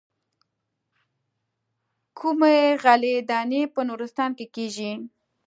کومې غلې دانې په نورستان کې کېږي.